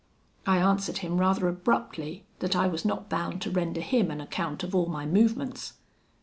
I answered him rather abruptly, that I was not bound to render him an account of all my movements.